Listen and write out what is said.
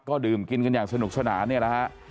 ก็ดื่มกินกันอย่างสนุกสนานเนี่ยแหละฮะ